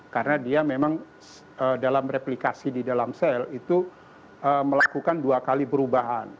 karena dia memang dalam replikasi di dalam sel itu melakukan dua kali perubahan